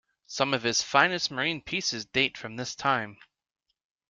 Some of his finest marine pieces date from this time.